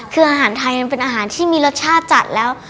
คืออาหารไทยมันเป็นอาหารที่มีรสชาติจัดแล้ว